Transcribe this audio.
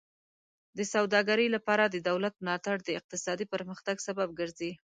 د سوداګرۍ لپاره د دولت ملاتړ د اقتصادي پرمختګ سبب ګرځي.